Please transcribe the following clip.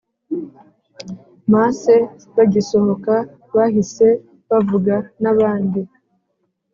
Masse bagisohoka bahise bavuga n abandi